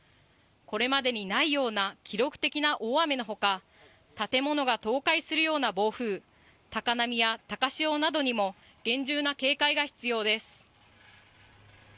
これまでにないような記録的な大雨のほか、建物が倒壊するような暴風、高波や高潮などにも厳重な警戒が必要です。